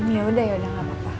yaudah yaudah gapapa